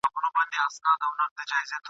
تر قیامته پر تڼاکو خپل مزل درته لیکمه !.